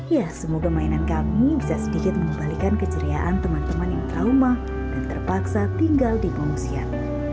ya semoga mainan kami bisa sedikit mengembalikan keceriaan teman teman yang trauma dan terpaksa tinggal di pengungsian